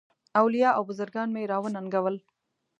اولیاء او بزرګان مي را وننګول.